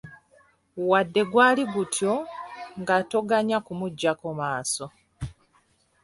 Wadde gwali gutyo, nga toganya kumuggyako maaso.